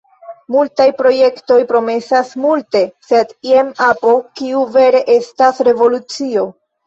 Multaj projektoj promesas multe, sed jen apo kiu vere estas revolucio.